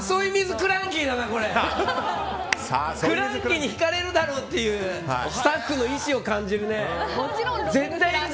クランキーに惹かれるだろうってスタッフの意思を感じるね。